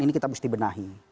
ini kita mesti benahi